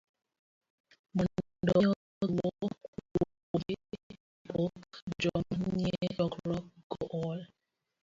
mondo omi giwuo kuomgi kapok joma nie chokruok go ool